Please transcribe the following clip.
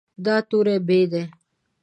دا توری "ب" دی.